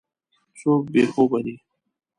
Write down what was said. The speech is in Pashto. څوک بې خوبه دی.